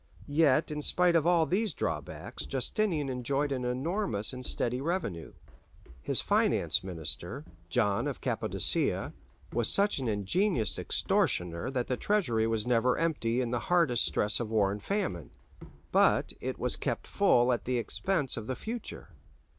Yet in spite of all these drawbacks Justinian enjoyed an enormous and steady revenue. His finance minister, John of Cappadocia, was such an ingenious extortioner that the treasury was never empty in the hardest stress of war and famine: but it was kept full at the expense of the future.